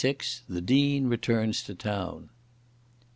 THE DEAN RETURNS TO TOWN.